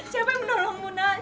siapa yang menolongmu nak